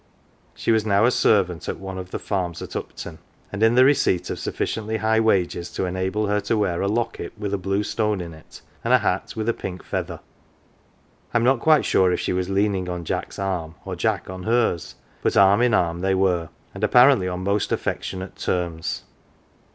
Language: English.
She was now servant at one of the farms at Upton, and in the receipt of sufficiently high wages to enable her to wear a locket with a blue stone in it, and a hat with a pink feather. I am not quite sure if she was leaning on Jack's arm, or Jack on hers, but arm in arm they were, and Apparently on most affectionate terms.